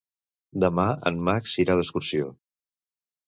Demà en Max irà d'excursió.